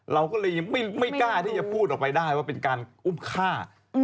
เราก็เลยยังไม่กล้าที่จะพูดออกไปได้ว่าเป็นการอุ้มฆ่า